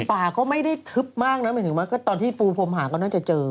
ป่าก็ไม่ได้ทึบมากนะหมายถึงว่าตอนที่ปูพรมหาก็น่าจะเจอ